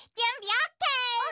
オッケー。